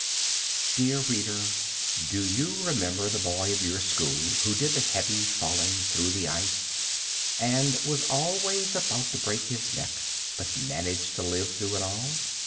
Dear reader, do you remember the boy of your school who did the heavy falling through the ice and was always about to break his neck, but managed to live through it all?